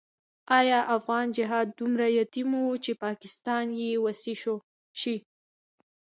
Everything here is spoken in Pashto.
آیا افغان جهاد دومره یتیم وو چې پاکستان یې وصي شي؟